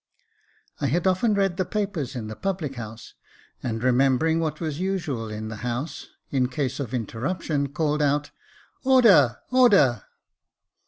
I had often read the papers in the public house, and re membering what was usual in the House in case of in terruption, called out, " Order, order